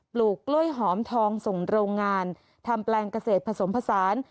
ลูกกล้วยหอมทองส่งโรงงานทำแปลงเกษตรผสมผสาน